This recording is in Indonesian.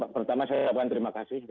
pertama saya ingin mengucapkan terima kasih